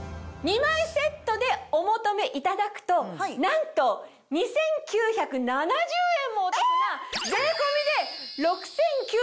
２枚セットでお求めいただくとなんと２９７０円もお得な。